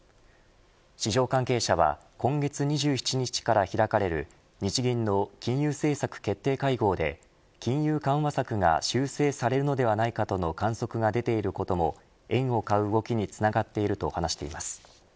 市場関係者は今月２７日から開かれる日銀の金融政策決定会合で金融緩和策が修正されるのではないかとの観測が出ていることも円を買う動きにつながっていると話しています。